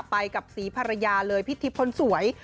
ไปกับศรีภรรยาเลยพิธีคนสวย